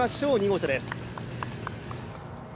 ２号車です。